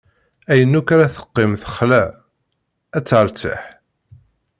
Ayen akk ara teqqim texla, ad teṛtiḥ.